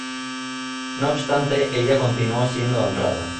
No obstante, ella continuó siendo honrada.